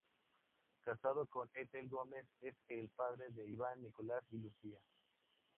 Casado con Ethel Gómez es el padre de Iván, Nicolás y Lucía.